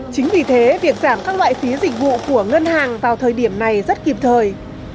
chính vì thế việc giảm các loại phí dịch vụ của ngân hàng vào thời điểm này rất kịp thời